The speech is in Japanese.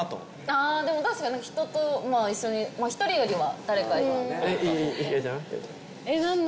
あでも確かに人と一緒に１人よりは誰かひかりちゃんは？